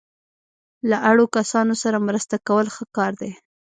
له اړو کسانو سره مرسته کول ښه کار دی.